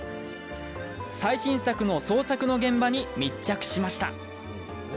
最新作の創作の現場に密着しました。